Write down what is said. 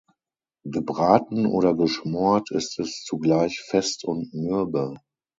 Gebraten oder geschmort ist es zugleich fest und mürbe.